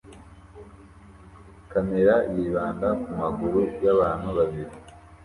Kamera yibanda kumaguru yabantu babiri